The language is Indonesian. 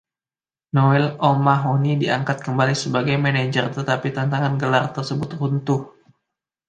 Noel O'Mahony diangkat kembali sebagai manajer tetapi tantangan gelar tersebut runtuh.